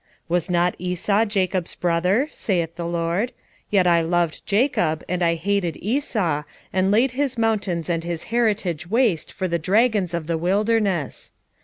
Was not Esau Jacob's brother? saith the LORD: yet I loved Jacob, 1:3 And I hated Esau, and laid his mountains and his heritage waste for the dragons of the wilderness.